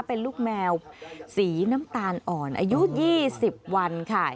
เป็นลูกแมวสีน้ำตาลอ่อนอายุ๒๐วันค่ะ